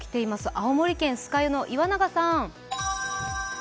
青森県・酸ヶ湯の岩永さん。